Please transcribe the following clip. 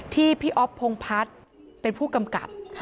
ที่พี่อ๊อฟพงพัฒน์เป็นผู้กำกับ